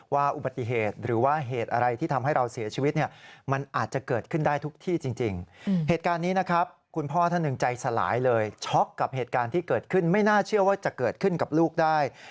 ว่าร่วมให้ข่วงจากอุปฏิเหตุก็เกิดขึ้นได้ทุกที่